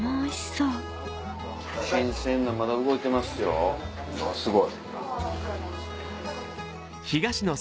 うわすごい。